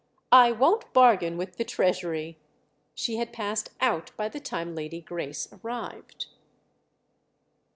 "I won't bargain with the Treasury!"—she had passed out by the time Lady Grace arrived.